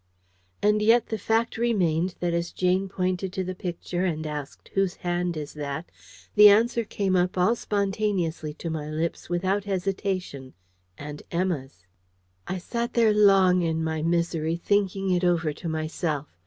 And yet, the fact remained that as Jane pointed to the Picture and asked, "Whose hand is that?" the answer came up all spontaneously to my lips, without hesitation, "Aunt Emma's!" I sat there long in my misery, thinking it over to myself.